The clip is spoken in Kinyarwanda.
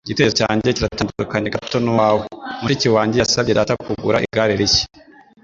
Igitekerezo cyanjye kiratandukanye gato nuwawe. Mushiki wanjye yasabye Data kugura igare rishya